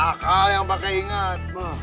akal yang pakai ingat